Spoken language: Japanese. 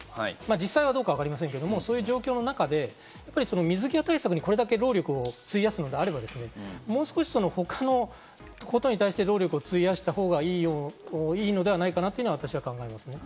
実際わかりませんけど、そういう状況の中で水際対策、これだけ労力を費やすのであれば、もう少し他のことに対して労力を費やしたほうがいいのではないかなと私は考えます。